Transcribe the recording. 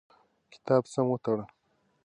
کتاب سم وتړه.